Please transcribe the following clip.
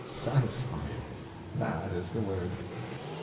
Satisfy it—that is the word.